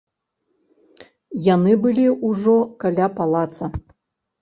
Яны былі ўжо каля палаца.